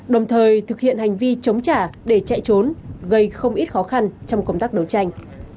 đồng thời thực hiện hành vi chống trả để chạy trốn gây không ít khó khăn trong công tác đấu tranh